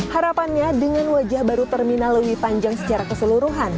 harapannya dengan wajah baru terminal lewi panjang secara keseluruhan